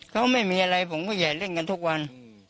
เขาไม่มีอะไรผมก็แย่เล่นกันทุกวัน